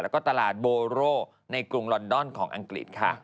แล้วก็ตลาดโบโร่ในกรุงลอนดอนของอังกฤษค่ะ